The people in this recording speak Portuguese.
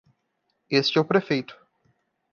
Este é o prefeito.